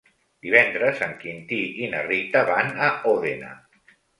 Divendres en Quintí i na Rita van a Òdena.